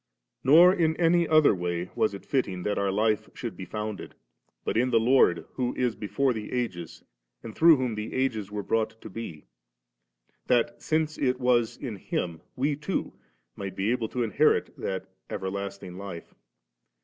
77. Nor in any other way was it fitting that our life should be founded, but in the Lord who is before the ages, and Arough whom the ages were brought to be; that, since it was in Him, we too might be able to inherit that everlasting life.